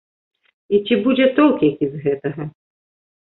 І ці будзе толк які з гэтага?